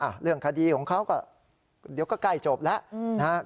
อ่ะเรื่องคดีของเขาเดี๋ยวก็ใกล้จบแล้ว